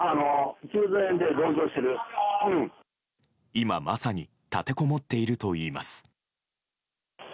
今まさに立てこもっているといいます。